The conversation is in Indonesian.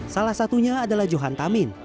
salah satunya adalah johan tamin